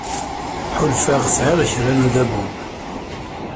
Ḥulfaɣ sɛiɣ kra n udabu.